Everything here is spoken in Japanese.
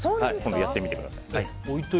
やってみてください。